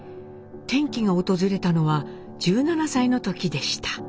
転機が訪れたのは１７歳の時でした。